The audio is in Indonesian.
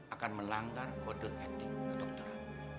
akan melanggar kode etik kedokteran